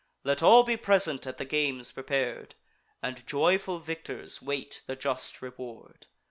Let all be present at the games prepar'd, And joyful victors wait the just reward.